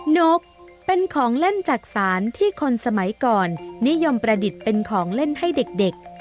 นกเป็นของเล่นจักษานที่คนสมัยก่อนนิยมประดิษฐ์เป็นของเล่นให้เด็ก